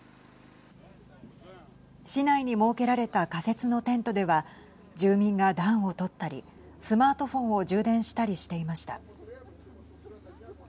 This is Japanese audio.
市内に設けられた仮設のテントでは住民が暖を取ったりスマートフォンを充電したりしていました。